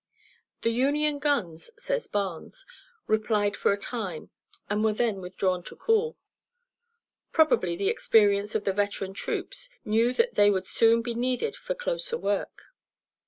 "The Union guns," says Barnes, "replied for a time, and were then withdrawn to cool." Probably the experience of the veteran troops knew that they would soon be needed for closer work.